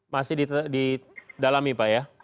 masih didalami pak ya